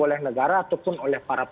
oleh negara ataupun oleh para